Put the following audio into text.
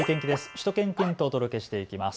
しゅと犬くんとお届けしていきます。